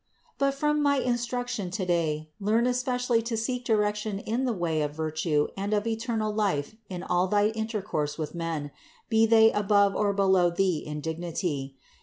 302. But from my instruction today learn especially to seek direction in the way of virtue and of eternal life in all thy intercourse with men, be they above or below thee in dignity.